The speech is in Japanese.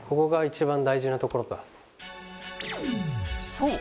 そう